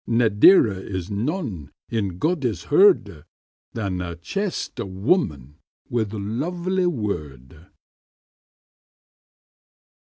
Ne derer is none in Goddis hurde Than a chaste womman with lovely worde.